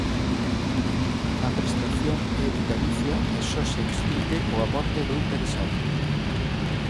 A prestación é vitalicia e só se extingue coa morte do interesado.